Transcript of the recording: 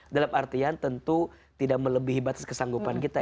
dalam artian tentu tidak melebihi batas kesanggupan kita